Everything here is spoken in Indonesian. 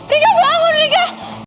rika bangun rika